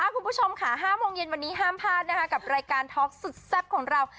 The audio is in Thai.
คุณผู้ชมค่ะ๕โมงเย็นวันนี้ห้ามพลาดนะคะกับรายการท็อกสุดแซ่บของเรา